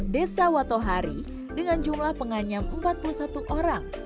desa watohari dengan jumlah penganyam empat puluh satu orang